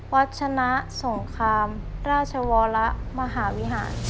วัดชนะสงครามราชวรมหาวิหาร